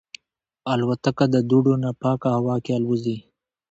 الوتکه د دوړو نه پاکه هوا کې الوزي.